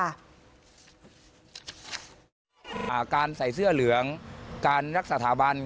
การใส่เสื้อเหลืองการรักษาสถาบัน